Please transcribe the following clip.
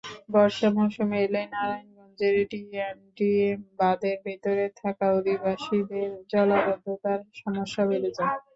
বর্ষা মৌসুম এলেই নারায়ণগঞ্জের ডিএনডি বাঁধের ভেতরে থাকা অধিবাসীদের জলাবদ্ধতার সমস্যা বেড়ে যায়।